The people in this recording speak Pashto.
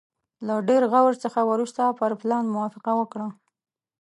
له ډېر غور څخه وروسته پر پلان موافقه وکړه.